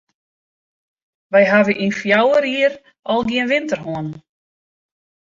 Wy hawwe yn fjouwer jier al gjin winter hân.